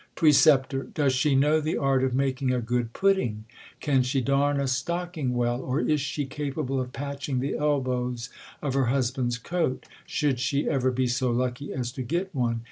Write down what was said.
Precep, Does she know the art of makmg a good pudding ? Can she darn a stocking well ? or is she ca pable of patching the elbows of her husband's coat, should she ever be so lucky as to get one